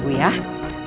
baik saya suntik dulu ya